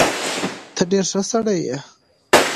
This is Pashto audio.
ته ډېر ښه سړی یې.